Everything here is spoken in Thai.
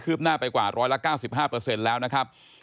หน้าไปกว่า๑๙๕แล้วนะครับ